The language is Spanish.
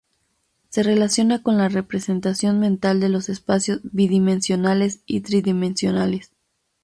Se relaciona con la representación mental de los espacios bidimensionales y tridimensionales.